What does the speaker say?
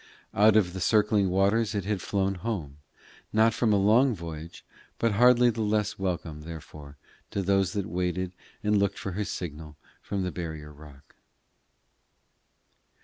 Out of the circling waters it had flown home, not from a long voyage, but hardly the less welcome therefore to those that waited and looked for her signal from the barrier rock.